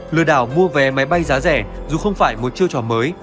lừa đảo mua vé máy bay giá rẻ dù không phải một chiêu trò mới